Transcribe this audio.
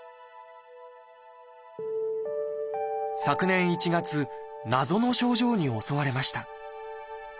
昨年１月謎の症状に襲われました。